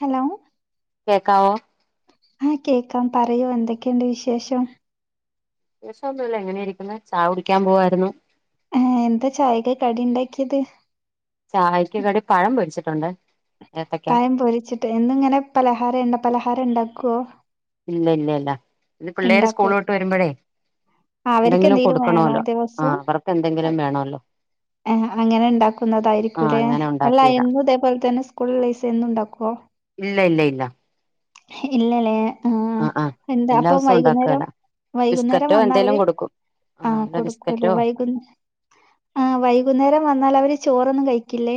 Hello കേക്കാവോ? ആഹ് കേക്കാം പറയൂ എന്തൊക്കെയ്ണ്ട് വിശേഷം? വിശേഷം ഒന്നുല്ല. ഇങ്ങനെയിരിക്കുന്നു. ചായ കുടിക്കാൻ പോവാരുന്നു. ഏഹ് എന്താ ചായക്ക് കടിണ്ടാക്കിയത്? ചായെക്ക് കടി പഴം പൊരിച്ചിട്ടുണ്ട്. ഏത്തക്ക പയം പൊരിച്ചിട്ട് എന്നും ഇങ്ങനെ പലഹാരം എണ്ണ പലഹാരം ഉണ്ടാക്കോ? ഇല്ല ഇല്ലല്ല. ഇത് പിള്ളേര് സ്കൂള് ഉണ്ടാക്കും വിട്ട് വെരുമ്പഴേ അവർക്ക് എന്തെങ്കിലും വേണോ കൊടുക്കണോല്ലോ. ദിവസവും ആഹ് അവർക്ക് എന്തെങ്കിലും വേണോല്ലോ? ഏഹ് അങ്ങനെ ആഹ് ഇണ്ടാക്കുന്നതായിരിക്കുലേ അങ്ങനെ അല്ല ഉണ്ടാക്കിയതാ എന്നും ഇതേപോലെ തന്നെ സ്കൂൾ ഇള്ള ദിവസം എന്നും ഇണ്ടാക്കോ? ഇല്ല ഇല്ല. ഇല്ല ലേ ആഹ് എന്താ എല്ലാ അപ്പം ദിവസവും വൈകുന്നേരം ഉണ്ടാക്കേല വൈകുന്നേരം ബിസ്ക്കറ്റോ വന്നാ എന്തേലും അവര് കൊടുക്കും ആഹ് വല്ല കൊടുക്കുലേ ബിസ്ക്കറ്റോ വൈകു ആ വൈകുന്നേരം വന്നാലവര് ചോറൊന്നും കയിക്കില്ലേ?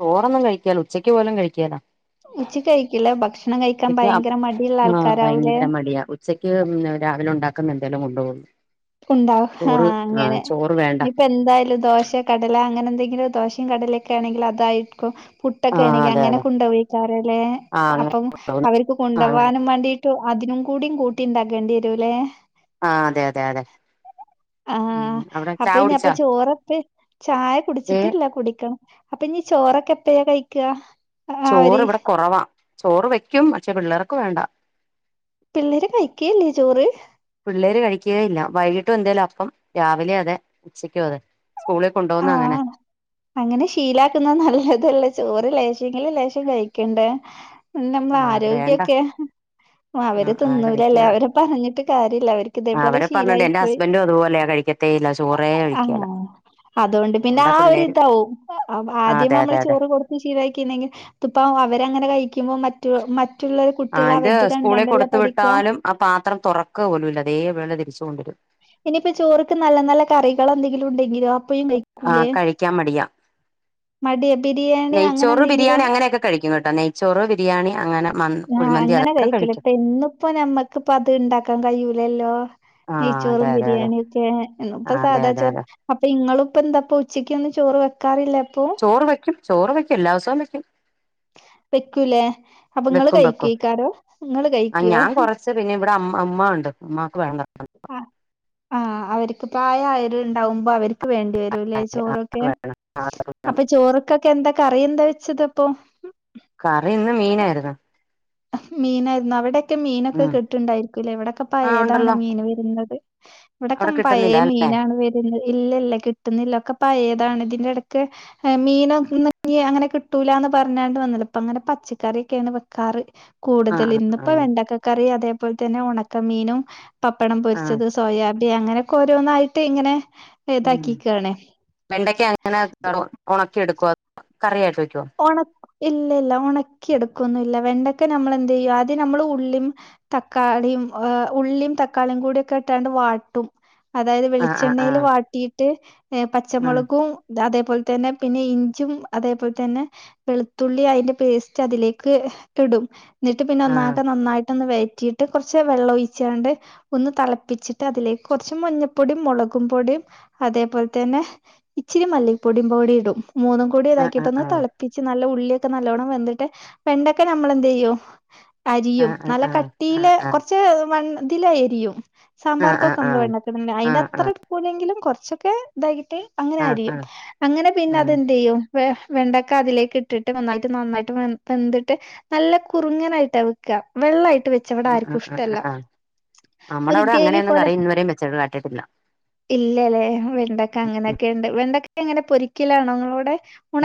ചോറൊന്നും കഴിക്കേലാ. ഉച്ചയ്ക്ക് പോലും കഴിക്കേലാ. ഉച്ചക്ക് കഴിക്കില്ല. ഭക്ഷണം കഴിക്കാൻ ഭയങ്കര മടിള്ള ആൾക്കാരാവുലേ. ഉച്ചയ്ക്ക് ഉം രാവിലെ ഒണ്ടാക്കുന്ന എന്തേലും കൊണ്ടോവും കൊണ്ടോവും ആഹ് അങ്ങനെ ചോറ് വേണ്ട ഇനിപ്പ എന്തായാലും ദോശ കടല അങ്ങനെ എന്തെങ്കിലും ദോശയും കടലെക്കേണെങ്കില് അതായിരിക്കും പു ആഹ് ട്ടെക്കേണെങ്കി അതെ അങ്ങനെ അതെ കൊണ്ടോവൊയ്ക്കാരലേ. ആഹ് അങ്ങനെ അപ്പം കൊണ്ടോവുന്നെ അവർക്ക് ആഹ് അങ്ങനെ കൊണ്ടോവാനും വാണ്ടി ട്ട് അതിനും കൂടിയും കൂട്ടി ഇണ്ടാക്കേണ്ടി വരുലേ ആഹ് അതെ, അതെ, അതെ. ആഹ് ഉം അവിടെ അപ്പ ചായ ഇനിയപ്പ കുടിച്ചാ ചോറപ്പെ ചായ ഏ കുടിച്ചിട്ടില്ല കുടിക്കണം. അപ്പ നി ചോറൊക്കെ എപ്പഴാ കഴിക്ക്യാ. ചോറ് ഇവടെ കൊറവാ. ചോറ് വെയ്ക്കും. പക്ഷെ പിള്ളേറെക്ക് വേണ്ടാ. പിള്ളേര് കഴിക്കേല്ലേ ചോറ്? പിള്ളേര് കഴിക്കേയില്ല. വൈകീട്ടും എന്തേലും അപ്പം. രാവിലെ അതെ. ഉച്ചയ്ക്കും അതെ. സ്കൂളിൽ കൊണ്ടോന്ന അങ്ങനെ. ആഹ് അങ്ങനെ ശീലാക്കുന്നത് നല്ലതല്ല. ചോറ് ലേശേങ്കിലും ലേശം കഴിക്കണ്ടേ. ഉം നമ്മെളെ ആ വേണ്ട ആരോഗ്യക്കെ. ആ അവര് ആ തിന്നുലല്ലെ. കഴിക്കേല അവരെ പറഞ്ഞിട്ട് കാര്യല്ല. അവര്. ആ അവര് പറഞ്ഞിണ്ട് എന്റെ ഹസ്ബൻഡും അതുപോലെയാ. കഴിക്കത്തേയില്ല. ചോറേ കഴിക്കേലാ. അതോണ്ട് പിന്നെ ആ ഒരിതാവും അ പ്പ ആ ആദ്യമേ അതെ അതെ നമ്മള് അതെ ചോറ്. കൊടുത്ത് ശീലാക്കിന്നെങ്കി പ്പം അവരങ്ങനെ കഴിക്കുമ്പോ മറ്റ് മറ്റുള്ളരു ആ കുട്ടികള് ഇത് അവരത്‌ സ്കൂളിൽ കണ്ടാണ്ടല്ലേ കൊടുത്തു പഠിക്ക വിട്ടാലും ആ പാത്രം തൊറക്കുപോലുല്ല അതേപോല തിരിച്ചു കൊണ്ടുവരും ഇനിയിപ്പ ചോറ്ക്ക് നല്ല നല്ല കറികള ന്തെങ്കിലും ഉണ്ടെങ്കിലോ അപ്പഴു കഴി ആ കഴിക്കാ മടിയാ മടി ബിരിയാണി അങ്ങനെ നെയ്ച്ചോറ് ബിരിയാണി എന്തെങ്കിലും അങ്ങനെയൊക്കെ കഴിക്കും കേട്ടോ നെയ്ച്ചോറ് ബിരിയാണി അങ്ങനെ മദ് ആഅങ്ങനെ കഴിക്കല് ഇപ്പ ഇന്നിപ്പ നമ്മക് അത് ഇണ്ടാക്കാ കഴിയൂലല്ലോ ആഹ് നെയ്ച്ചോറും അതെ അതെ അതെ ബിരിയാണിയൊക്കെ ന്ന് പ്പൊ ആഹ് അതെ സാധാ അതെ ചോറ് അതെ അപ്പൊ ഇങ്ങളപ്പോന്താപ്പ ഉച്ചയ്ക്കൊന്നും ചോറ് വെക്കാറില്ല പ്പൊ ചോറ് വെയ്ക്കും ചോറ് വയ്ക്കും എല്ലാസോം വെക്കും വെക്കൂല്ലേ അപ്പൊ ങ്ങള് വെക്കും കഴിക്കയ് ക്കാരോ ങ്ങള് കഴികോ ച്ച് പിന്നെവിടെ അമ്മ ഉമ്മ ഒണ്ട് ഉമ്മാ ക്ക് വേണ്ട ആ ആ അവര് ക്ക് പ്രായയൊരുണ്ടാവുമ്പംഅവര് ക്ക്‌ വേണ്ടി വരൂല്ലേ ചോറൊക്കെ വേണം അപ്പൊ ചോറക്ക്കെ എന്താകറി എന്താ വെച്ചതപ്പോ കറിന്ന് മീനാര് ന്ന് മീനായിരുന്ന് അവിടെക്കെ മീനൊക്കെ ഉം കി ട്ടിണ്ടായിരിക്കൂല്ലേ ഇവിടെക്കെ ആഹ് പയേതാണ് ഉണ്ടല്ലോ മീന് വരുന്നത് ഇവിടക്കെ അവിടെ പയേ കിട്ടുന്നില്ല അല്ലെ മീനാണ് വരുന്നത് ഇല്ല ല്ല കിട്ട്ന്നില്ല ഒക്കെ പയേതാണ് ഇതിന്റെ ടക്ക് മീനൊന്ന് എ അങ്ങനൊന്ന് കിട്ടൂലാന്ന് പറഞ്ഞാണ്ട് വന്നിലഅപ്പൊ ങ്ങനെ പച്ചക്കറിക്കെണ് വെക്കാറ് കൂടുതല് ആഹ് ഇന്നിപ്പോ ആഹ് വെണ്ടക്കക്കറി അതേപോലെതന്നെ ഉണക്കമീനും പപ്പടം ആഹ് പൊരിച്ചത് സോയാബി അങ്ങനെക്കെ ഓരോന്നായിട്ട് ഇങ്ങനെ ഇതാക്കികാണ് വെണ്ടക്ക ങ്ങനെ ഒണക്കിയെടുക്കോ അതോ കറിയായിട്ട് വക്കോ ഒണക് ഇല്ല ല്ല ഒണക്കി എടുക്കൊന്നും ല്ല വെണ്ടക്ക ഞമ്മളെന്തയ്യ ആദ്യ നമ്മള് ഉള്ളിം തക്കാളിം ഉള്ളിം തക്കാളിയും കൂടിക്കെ ഇട്ട് കാണ്ട് വാട്ടും അതായത് ആഹ് വെളിച്ചെണ്ണ ആഹ് യിവാട്ടിട്ട് ആഹ് പച്ചമൊളകും അതേപോൽതന്നെ പിന്നെ ഇഞ്ചും അതേപോൽതന്നെ വെളുത്തുള്ളി അയിന്റെ പേസ്റ്റ് അതിലേക്കിടും ന്നിട്ട് പിന്നെ ഒന്നാകെ നന്നായിട്ടോന്ന് വയറ്റീട്ട് കൊറച് വെള്ളം ഒഴിച്ചാണ്ട് ഒന്ന് തെളപ്പിച്ചിട്ട് അതിലേക്ക് കൊറച്ച് മഞ്ഞപ്പൊടി മൊളക് പൊടിയും അതേപോൽതന്നെ ഇച്ചിരി മല്ലി പൊടി പൊടിടും മൂന്നു ആഹ് ആഹ് പൊടിതാക്കിയിട്ടൊന്ന് ആഹ് തെളപ്പിച്ച് നല്ല ഉള്ളിക്കെ നല്ലോണം വെന്തിട്ട് വെണ്ടക്കനമ്മളെന്തേയൂ അരിയും ആഹ് നല്ല ആഹ് ആഹ് കട്ടിയില് ആഹ് ആഹ് കൊറച്ച് വണ്ണ തിലരിയും ആഹ് സാമ്പാർക്കൊക്കെ ആഹ് ആഹ് മ്മള് ആഹ് വെണ്ടകിടുലെ ആഹ് അതിന്റെ ത്ര എടു ക്കുലെങ്കിലും കൊ റച്ചൊക്കെ ഇതാകിട്ട് ആഹ് അങ്ങനരിയും ആഹ് അങ്ങനെ പിന്നെ ഉം അതെന്തെയും വെണ്ട ക്ക അതിലേക്ക് ഇട്ടിട്ട് നന്നായിട്ട് നന്നായിട്ട് വെന്തിട്ട് നല്ല കുറുങ്ങനായിട്ടവെക്ക വെള്ളായിട്ട് വെച്ചവിടാർക്കും ഇഷ്ടല്ല ഒരു അമ്മടവട ഗ്രേവി പോലെ അങ്ങനൊന്നുംകറി ഇന്നുവരെയുംവെച്ച് കേട്ടിട്ടില്ല ഇല്ലല്ലേ വെണ്ടക്ക ഉം അങ്ങനെക്കെണ്ട് വെണ്ടക്കങ്ങനെ പൊരിക്കലണോങ്ങള വിടെ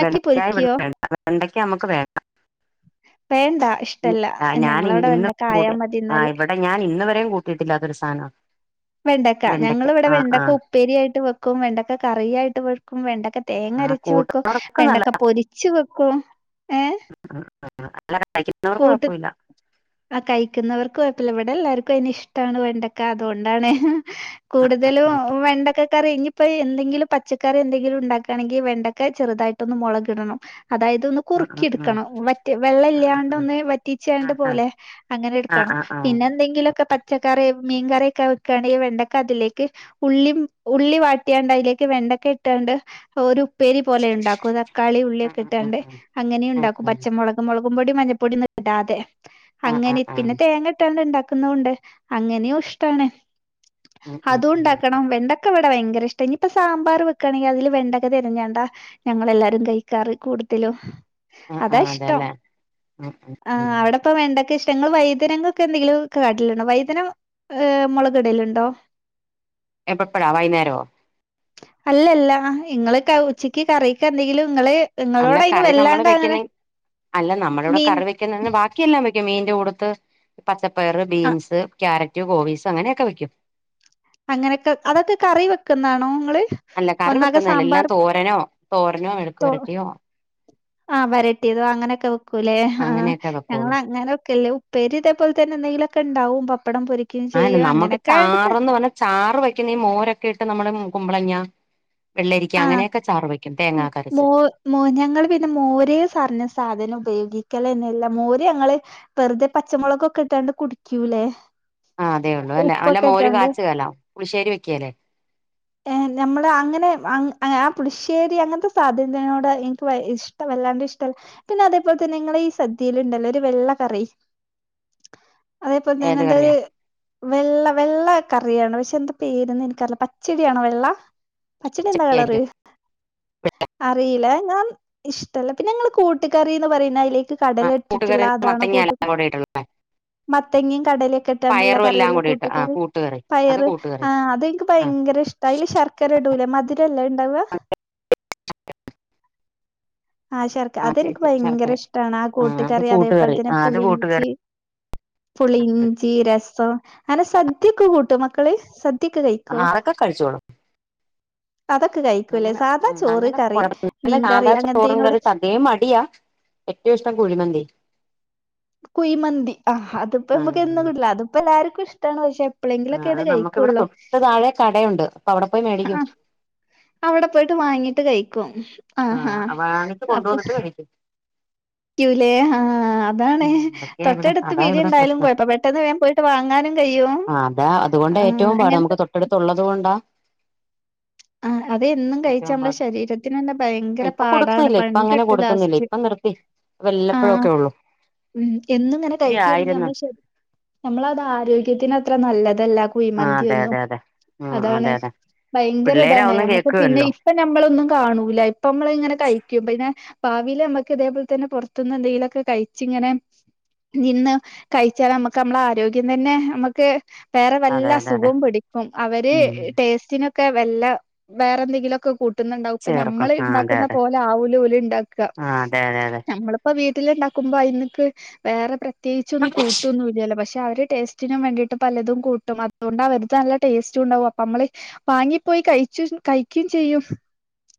വെണ്ടയ്ക്കായ ഇവിടെ വേണ്ട വെണ്ടക്ക മ്മക്ക് വേണ്ട വേണ്ട ഇഷ്ടല്ല ആഹ് ഞങ്ങളവിടെ വെണ്ടയക്ക ആയ മതിന്നാല് ഞാൻഇന്നുവരെയും കൂട്ടിയിട്ടില്ലാത്തരു സാന വെണ്ടക്ക ഞങ്ങളിവിടെ വെണ്ടക്ക ആഹ് ഉപ്പേരിയായിട്ട് വെക്കും വെണ്ടക്ക കറിയായിട്ട് വെക്കും വെണ്ടക്ക തേങ്ങര ആഹ് രച്ച് വെക്കും കൂട്ടുന്നവർക്ക് വെണ്ടക്ക പൊരിച്ചു വെക്കും ഏ അല്ല കഴിക്കുന്നവർക്ക് കൊഴപ്പല്ല ആഹ് കഴിക്കുന്നവർക്കൊഴപ്പില്ല എവിടെല്ലാർക്കും അയിനെ ഷ്ടാണ് വെണ്ടക്ക അതകൊണ്ടാണ് കൂടുതലും വെണ്ടക്ക ഇനിപ്പോഎന്തെങ്കിലും പച്ചക്കറി എന്തെങ്കിലുണ്ടാക്കണെങ്കി വെണ്ടക്കചെറുതായിട്ടൊന്നു മൊള കിടണം അതായത് ഒന്ന് ആഹ് കുറുക്കിടുക്കണം വറ്റ വെള്ളല്ല്യ ആഹ് ടൊന്ന് വറ്റീച്ചണ്ട് ആഹ് പോലെ അങ്ങനെ ആഹ് എടുക്കണം ആഹ് പിന്നെ ആഹ് എന്തെങ്കിലുക്കെ പച്ചക്കറി മീൻ കറിയൊക്കെ വെക്കാണെങ്കി വെണ്ടക്കെ അതിലേക്ക് ഉള്ളി ഉള്ളി വാട്ടിയാണ്ട് അയി ലേക്ക് വെണ്ടക്കഇട്ടാണ്ട് ഒരു ഉപ്പേരി പോലെ ഉണ്ടാക്കും തക്കാളി ഉള്ളിയൊക്കെ ആഹ് ആഹ് ആഹ് ആഹ് ഇട്ടാണ്ട് ആഹ് അങ്ങനെയ ആഹ് ഉണ്ടാക്കും ആഹ് പച്ചമുളക് മുളകും പൊടിയും മഞ്ഞൾപ്പൊട ഇടാ അതെ ആഹ് ആഹ് ആഹ് അങ്ങനെ ആഹ് പിന്നെ ആഹ് തേങ്ങ ഇട്ടാണ്ട് ഉണ്ടാക്കുന്നതൊണ്ട് അങ്ങനെയോ ഇഷ്ടണ ഉം ഉം അതും ഉം ഉണ്ടാക്കണം വെണ്ട വിടെ ഭയങ്കര ഇഷ്ട ഇനിപ്പ സാമ്പാ വക്കണെിൽ അതില് വെണ്ടക തിരഞ്ഞേണ്ടാ ഞങ്ങളെല്ലാരും കഴിക്കാറി കൂടുതലും ആഹ് അതാ ആഹ് ഇഷ്ടം അതെല്ലേ ഉം ഉം ഉം ആഹ് അവിടെപ്പ വേണ്ട ഇഷ്ടങ്ങൾ വൈദനങ്ങൊക്കെ എന്തെങ്കിലും കാട്ടിലുണ്ടോ വൈദന ഏഹ് മുളകടൽണ്ടോ എപ്പോ എപ്പള്ള വൈന്നേരോ അല്ലല്ല ഇങ്ങള് ഉച്ചക്ക് കറിക്ക് എന്തെങ്കിലും നിങ്ങള് അല്ല കറി നമ്മള് വെക്കുന്ന അല്ല നമ്മള ഇവിടെ മീൻ കറി വെ ബാക്കിയെല്ലാം വെക്കും മീന്റെ കൂടുത്ത് പച്ചപ്പയർ അ ബീൻസ് ക്രരാറ്റ് മറ്റ ഗോബീസ് അങ്ങനൊക്കെ വെക്കും അങ്ങനെയൊക്കെ അതൊക്കെ കറി വെക്കുന്നാണോ നിങ്ങള് അല്ല കറി വെക്കുന്നല്ല എല്ലാം തോരനോ തോരനോ എടുക്കു വരട്ടിയോ ആഹ വരട്ടിയതോ അങ്ങനെയൊക്കെ വെക്കൂല്ലേ ആഹ് അങ്ങനെയൊക്കെ ഞങ്ങൾ വെക്കുള്ളൂ അങ്ങനെ വെക്കലക്കല്ല ഉപ്പേരി ഇതേ പോലെ തന്നെ എന്തെലൊക്കെ ഉണ്ടവും പപ്പടം പൊരിക്ക ആന്നെ നമ്മുക്ക് ചാറന്ന് പറഞ്ഞ ചാറ് വെക്കുന്ന ഈ മോരൊക്കെ ഇട്ട് നമ്മള് കുമ്പളങ്ങ വെള്ളരിക്ക അങ്ങനെയൊക്കെ ചാർ വയ്ക്കും തേങ്ങാ കരച്ച് ഞങ്ങൾ പിന്നെ മോരറഞ്ഞ സാധനം ഉപയോഗിക്കല തന്നെയല്ല മോര് ഞങ്ങള് വെറുതെ പച്ചമുളകൊക്കെ ഇട്ടാണ്ട് കുടിക്കൂല്ലേ ആഹ അതേ ഉള്ളൂ അല്ല അല്ല മോര് കാച്ച കാലാ പുളിശേരിെക്കല്ലേ ഏഹ് നഞമ്മള് അങ്ങനെ ആ പുളശ്ശേരി അങ്ങനത്തെ സാധ്യനനോട് എനിക്ക് ഇഷ്ടം വല്ലാണ്ട് ഇഷ്ടമല്ല പിന്നെ അതേപോലെ തന്നെ നിങ്ങ ഈ സദ്യൽണ്ടല്ലോ ഒരു വെള്ള കറി അതേപലെ തന്നെ ഏത് എന്തായ ഒരു കറിയാ വെള്ള വെള്ള കറിയാണ് പക്ഷെ എന്താ പേരന്ന എനിക്കറില്ല പച്ചടിയണോ വെള്ള പച്ചടി എന്താ കളറ് അറിയില്ല ഞാൻ ഇഷ്ടമല്ല പിന്നെ ഞങ്ങ കൂട്ടുകറിന്ന് പറയുന്നതിലേ ആ കടല ഇട്ടിട്ടുള്ള കൂട്ടുകറി അതാണോ മത്തങ്ങ കൂട്ട എല്ലാം കൂടെ ഇട്ടുള്ള മത്തങ്ങയും കടലൊക്കെ ഇട്ടാണ്ടുള്ള പയറും എല്ലാം കറിയെല്ലാം കൂടി ഇട്ട് ആ കൂട്ടുകറി അത് പയർ കൂട്ടുകറി ആ അതെനിക്ക് ആ ഭയങ്കര ഇഷ്ട അയില് ശർക്കര ഇടൂലേ മധുരല്ലേ അയ് ഇണ്ടാവ്? ആ ശർക്ക ആ അതെനിക്ക് ചേച്ചി ശർക്കര ഭയങ്കര ഇഷ്ടാ ണ് ആ ആഹ് അത് കൂട്ടുകറി അതേപോലെ തന്നെ ആഹ് അത് കൂട്ടുകറി പുളിഞ്ചി പുളി ഇഞ്ചി, രസം അങ്ങനെ സദ്യക്കെ കൂട്ടോ മക്കള് സ ആ അതൊക്കെ കഴിച്ചോളും. അതൊക്കെ കഴി അങ്ങനെ ആഹ്, അങ്ങനെ [unintelligible] അങ്ങനെ മീൻകറി സാധാ ചോറും അങ്ങനത്തേനോട് കറി സദ്യയും മടിയാ ഏറ്റവും ഇഷ്ടം കുഴിമന്തി. കുഴിമന്തി ആഹ് അതിപ്പ നമുക്കെന്നും ആഹ് കിട്ടില്ല, അതിപ്പോ എല്ലാർക്കും ഇഷ്ടാ ണ് പക്ഷെ, ആ അത് എപ്പളെങ്കിലൊക്കെയാണ് നമ്മക്കിവിടെ കഴിക്കുള്ളൂ തൊട്ട് താഴെ കടയുണ്ട് അപ്പൊ അവിടെ പോയി മേടിക്കും. ആഹ് അവിടെ പോയിട്ട് വാങ്ങീട്ട് കഴിക്കും ആഹ് ആഹ് വാങ്ങിച്ച് അപ്പൊ കൊണ്ടുവന്നിട്ട് കഴിക്കും റ്റൂലേ ആഹ് അതാണ്. ഉം അതൊക്കെയാ ഇവിടെ തൊട്ടടുത്ത് അതാ പിടി ഇവിടെ ഇണ്ടായാലും പ്രശ്നം കൊഴപ്പ പെട്ടെന്ന് വേം പോയിട്ട് വാങ്ങാനും കഴിയും. അതുകൊണ്ട ആഹ് ഏറ്റവും പാട് അങ്ങനത്തെ നമുക്ക് തൊട്ടടുത്ത് ഉള്ളത് കൊണ്ടാ ആഹ്, അത് എന്നും കഴിച്ചാ ഏറ്റവും നമ്മളെ പാട് ശരീര ത്തിനെന്നെ ഭയങ്കര ആഹ് ഇപ്പൊ പാടാണ് കൊടുക്കുന്നില്ല ഇപ്പൊ അങ്ങനെ പണികിട്ടും കൊടുക്കുന്നില്ല ലാസ്റ്റ്, ഇപ്പൊ നിർത്തി ആഹ്. വല്ലപ്പോഴൊക്കെ ഉള്ളൂ ഉം, എന്നു ഇങ്ങനെ ഒത്തിരി കഴിക്കയാണെങ്കിൽ ആയിരുന്നു നമ്മളെ ശരീ നമ്മളത് ആരോഗ്യത്തിന് അത്ര നല്ലതല്ല കുഴി ആഹ് അതെ മന്തിയൊന്നും അതെ അതെ ഉം അതാണ്. അതെ അതെ ഭയങ്കര പിള്ളേര് ഇതാണ് അതൊന്നും നമ്മക്ക് പിന്നെ കേൾക്കുവല്ലോ ഇപ്പ നമ്മളൊന്നും കാണൂല, ഇപ്പ അമ്മള് ഇങ്ങനെ കഴിക്കും പിന്നെ പാവീല് നമ്മക്ക് ഇതേപോൽ തന്നെ പുറത്ത്ന്ന് എന്തെങ്കിലൊക്കെ കഴിച്ചിങ്ങനെ നിന്ന് കഴിച്ചാൽ അമ്മക്ക് അമ്മളെ ആരോഗ്യം തന്നെ അമ്മക്ക് വേറെ വല്ല അതെ അതെ അതെ അസുഖവും പിടിക്കും. അവര് ഉം ടേസ്റ്റിനൊ ക്കെ വെല്ല വേറെ എന്തെങ്കിലൊക്കെ കൂ ട്ടുന്നുണ്ടാവും ഇപ്പ ചേർക്കും നമ്മള് ആ അതെ ഇണ്ടാക്ക്‌ന്ന അതെ പോലെ ആവൂല ഓല് ഇണ്ടാക്ക് ആ അതെ അതെ അതെ നമ്മള് ഇപ്പ വീട്ടില് ഇണ്ടാക്ക്‌മ്പം അയ്ന്ന്ക്ക് വേറെ പ്രത്യേകിച്ചൊന്നും കൂട്ടൊന്നു ഇല്ലല്ലോ പക്ഷെ പക്ഷെ അവര് ടേസ്റ്റിനും വേണ്ടിട്ട് പലതും കൂട്ടും അതുകൊണ്ട് അവര്ത് നല്ല ടേസ്റ്റു ഉണ്ടാവും അപ്പ അമ്മള് വാങ്ങിപ്പോയി കഴിച്ചും കഴിക്കും ചെയ്യും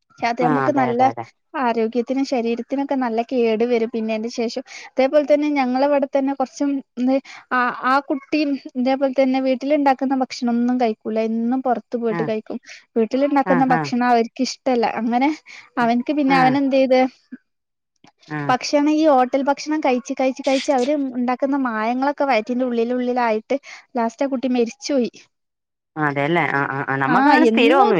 പക്ഷെ അത് ആ അമ്മക്ക് അതെ നല്ല അതെ അതെ ആരോഗ്യത്തിനും ശരീരത്തിനൊക്കെ നല്ല കേട് വെരും പിന്നെ അയിന്റെ ശേഷം അതേപോൽ തന്നെ ഞങ്ങളെ ഇവിടെ തന്നെ കൊറച്ചും ഒന്ന് ആഹ്, ആ കുട്ടി മ് ഹ് ഇതേപോൽ തന്നെ വീട്ടിൽ ഇണ്ടാക്കുന്ന ഭക്ഷണൊന്നും കഴിക്കൂല എന്നും പൊർ ത്ത് ആ പോയിട്ട് കഴിക്കും, ആ വീട്ടില്ണ്ടാക്ക്‌ന്ന ആ ഭക്ഷണം അവര്ക്ക് ഇഷ്ടല്ല അങ്ങനെ അവൻക്ക് പിന്നെ ആ അവന് എന്തെയ്ത് ആ പക്ഷെ ഇക്കാണെങ്കിൽ ഈ ഹോട്ടൽ ഭക്ഷണം കഴിച്ച് കഴിച്ച് കഴിച്ച് അവര് ഉണ്ടാക്കുന്ന മായങ്ങളൊക്കെ വയറ്റിന്റെ ഉള്ളിലുള്ളിലായിട്ട് ലാസ്റ്റ് ആ കുട്ടി മരിച്ചോയി. ആഹ് അതെ അല്ലേ ആഹ് ആഹ് ആഹ് എന്നും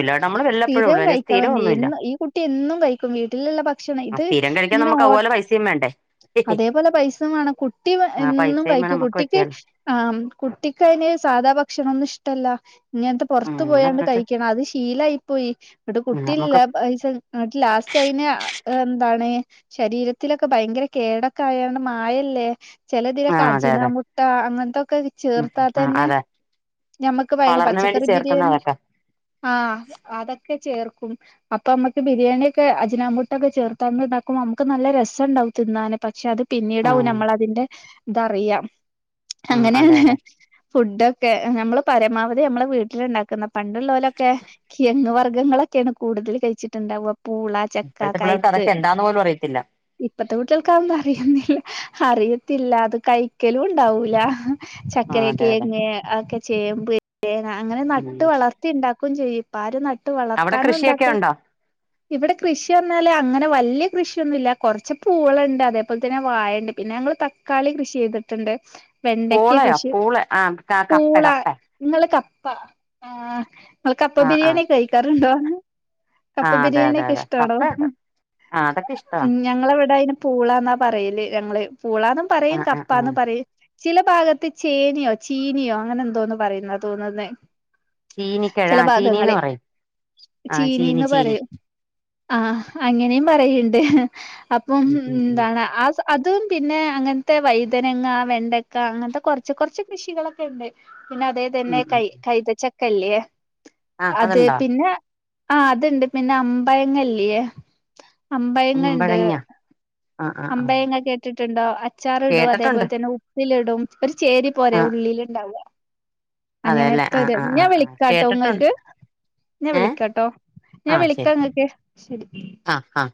സ്ഥിരം ഉള്ളൂ അല്ലെ കഴിക്കാൻ സ്ഥിരം ഒന്നുമില്ല വെന്നു ഈ കുട്ടി എന്നും കഴിക്കും വീട്ടില്ള്ള ഭ ക്ഷണം ആ ഇത് സ്ഥിരം കഴിക്കാൻ ഇങ്ങനെ നമുക്ക് ഓർ അതുപോലെ പൈസയും വേണ്ടേ അതേപോലെ പൈസെയിം വാണം കുട്ടി ആ എന്നും പൈസയും വേണം കഴിക്കും നമുക്ക് കുട്ടിക്ക് പറ്റിയാലോ ആം കുട്ടിക്ക് അയിന് സാധാ ഭക്ഷ ണൊന്നും ഇഷ്ടല്ല ഇങ്ങൻത്തെ പൊർ ഉം ത്തു അങ്ങനെ പോയാണ്ട് പറഞ്ഞിട്ട് കഴിക്കണം അത് ശീലായി പോയി ഇന്നട്ട് കുട്ടി നമുക്ക് ഇല്ലാ പൈസ ഇങ്ങട്ട് ട്ട് ലാസ്റ്റ് അയിനെ ഏഹ് എന്താണ് ശരീരത്തിലൊക്കെ ഭയങ്കര കേടൊക്കെ ആയാണ്ട് മായല്ലേ ചെല ആ ഇതിലൊക്കെ അതെ അജിന അതെ മുട്ട അങ്ങൻത്തൊക്കെ ഉം ചേർത്താ ആ തന്നെ അതെ ഞമ്മക്ക് ഭയങ്ക കളറിന് വേണ്ടി പച്ചക്കറി ചേർക്കുന്ന ബിരിയാണി അതൊക്കെ ആഹ് അതൊക്കെ ചേർക്കും. അപ്പ നമ്മക്ക് ബിരിയാണി ഒക്കെ അജ്നാ മുട്ട ഒക്കെ ചേർത്താണ്ട് ഇണ്ടാക്കുമ്പം നമ്മക്ക് നല്ല രസ ഇണ്ടാവും തിന്നാന് പക്ഷെ അത് ആ പിന്നീടാവും നമ്മള അതിന്റെ ഇതറിയ്, ഉം അങ്ങനെ അതെ ഹെ അതെ ഫുഡൊക്കെ ഞമ്മള് പരമാവധി മ്മളെ വീട്ടിലുണ്ടാക്കുന്ന പണ്ടുള്ളോ ലൊക്കെ കിഴങ്ങ് വർഗ്ഗങ്ങളൊക്കെയാണ് കൂടുതൽ കഴിച്ചിട്ടുണ്ടാവുക പൂള- ചക്ക, ഇപ്പൊഴത്തെ പിള്ളേർക്ക് കയ്ത്ത് അതൊക്കെ എന്താന്ന് പോലും അറിയത്തില്ല ഇപ്പത്തെ കുട്ടികൾക്കതൊന്നും അറിയുന്നില്ല അറിയത്തില്ല അത് കഴിക്കലും ഉണ്ടാവൂല ആ അതെ അതെ ചക്കരക്കെഴങ്ങ് ഒക്കെ ചേമ്പ് ചേന അങ്ങനെ ഉം നട്ട് വളർത്തിണ്ടാക്കയും ചെയ്യും ഇപ്പാരും നട്ട് അവിടെ വളർത്താനും കൃഷിയൊക്കെ ഒണ്ടാക്കെ ഉണ്ടോ ഇവിടെ കൃഷി എന്നാല് അങ്ങനെ വല്യ കൃഷിയൊന്നുല്ല കൊറച്ച് പൂളണ്ട് അതേപോലെ തന്നെ വായണ്ട് പിന്നെ ഞങ്ങള് തക്കാളി കൃഷിയെ യ്തിട്ടുണ്ട് പൂളയോ പൂളെ ആഹ് കപ്പെ കപ്പെ ഇങ്ങള് കപ്പ ആഹ് ഇങ്ങള് കപ്പ ആ ആ ബിരിയാണി കഴിക്കാറുണ്ടോന്ന് ആ കപ്പ അതെ അതെ ബിരിയാണിക്കെ അതെ ഇഷ്ടാണോ കപ്പയുണ്ട് ആ അതൊക്കെ ഇഷ്ടവാ ഉം ഞങ്ങളിവിടെ അയിന് പൂളാന്നാ പറയല് ഞങ്ങള് പൂളാന്നും ആ പറയും ആ ആ കപ്പാന്ന് പറയും ചില ഭാഗത്ത് ചേനയോ ചീനിയോ അങ്ങനെ എന്തോന്ന് പറയൂന്നാ തോന്നുന്നെ ചീനിക്കിഴ ചെല ആ ചീനീന്ന് ഭാഗങ്ങളി പറയും ആ ചീനി ചീനിന്ന് ചീനി പറയും ആഹ് അങ്ങനെയും പറയുണ്ട് അപ്പം ഉം ഉം ഉം എന്താണ് ആഹ് സ അതും പിന്നെ അങ്ങനത്തെ വൈതണങ്ങ വെണ്ടക്ക അങ്ങനത്തെ കൊറച്ച് കൊറച്ച് കൃഷികളൊക്കെ ഉണ്ട് പിന്നെ അതേ തന്നെ ഉം കൈ ഉം കൈതച്ചക്കഇല്ലെ ആ അത് അതുണ്ടോ പിന്ന ആഹ് അതുണ്ട് പിന്ന അമ്പഴങ്ങല്ല്യേ അമ്പഴങ്ങ ണ്ട് കുമ്പഴങ്ങ ആ ആ ആ അമ്പഴങ്ങ കേ ട്ടിട്ടുണ്ടോ അച്ചാർ ഇടും കേട്ടിട്ടുണ്ട് അതേപോലെ തന്നെ ഉപ്പിലിടും ഒരു ചേരി പോരെ ആ ഉള്ളില് ണ്ടാവുവ അതെല്ലേ ആ അങ്ങനത്തൊര് ആ ആ ഞാൻ ആ വിളിക്കാട്ടോ കേട്ടിട്ടുണ്ട് ങ്ങക്ക് ഞാൻ ഏ വിളിക്കാട്ടൊ ഞാൻ വിളിക്കാ ങ്ങക്ക് ശെരി ആഹ് ആഹ്